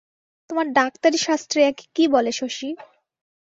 তোমার ডাক্তারি শাস্ত্রে একে কী বলে শশী?